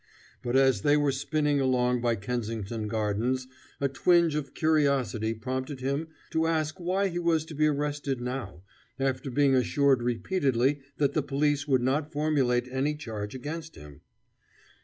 But as they were spinning along by Kensington Gardens, a twinge of curiosity prompted him to ask why he was to be arrested now, after being assured repeatedly that the police would not formulate any charge against him.